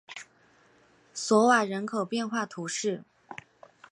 索瓦人口变化图示